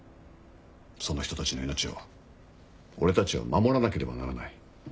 その人たちの命を俺たちは守らなければならない。